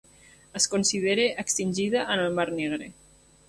Es considera extingida en el Mar Negre.